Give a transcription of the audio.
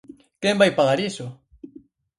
Quen vai pagar iso?